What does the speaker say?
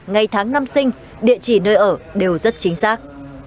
ngày tháng năm sinh địa chỉ nơi ở đều rất chính xác